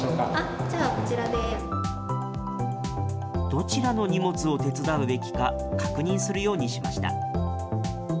どちらの荷物を手伝うべきか確認するようにしました。